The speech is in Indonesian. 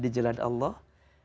di jalan allah